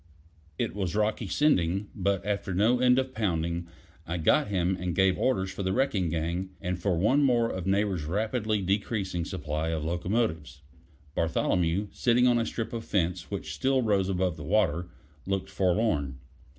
It was rocky sending, but after no end of pounding, I got him and gave orders for the wrecking gang, and for one more of Neighbor's rapidly decreasing supply of locomotives. Bartholomew, sitting on a strip of fence which still rose above water, looked forlorn.